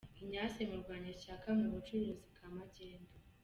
Ignace Murwanashyaka mu bucuruzi bwa Magendu